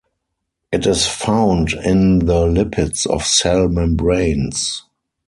It is found in the lipids of cell membranes.